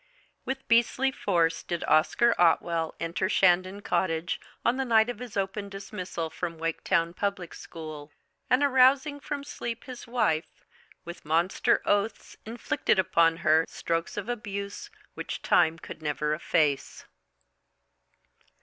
With beastly force did Oscar Otwell enter Shandon Cottage on the night of his open dismissal from Waketown Public School, and arousing from sleep his wife, with monster oaths inflicted upon her strokes of abuse which time could never efface.